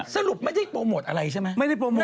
สรุปไม่ได้โปรโมทอะไรใช่ไหมไม่ได้โปรโมท